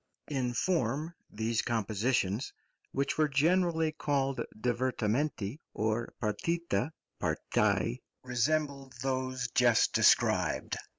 In form these compositions, which were generally called divertimenti or partite (partie) resembled those just described.